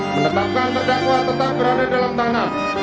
menetapkan terdakwa tetap berada dalam tahanan